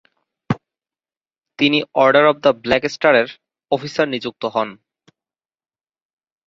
তিনি order of the black স্টারের officer নিযক্ত হন।